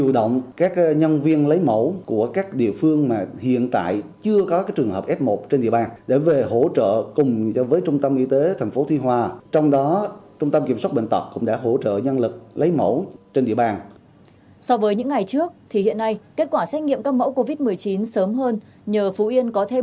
so với những ngày trước thì hiện nay kết quả xét nghiệm các mẫu covid một mươi chín sớm hơn nhờ phú yên có thêm